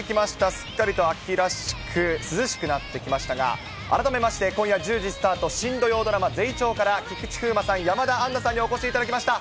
すっかりと秋らしく涼しくなってきましたが、改めまして、今夜１０時スタート、新土曜ドラマ、ゼイチョーから菊池風磨さん、山田杏奈さんにお越しいただきました。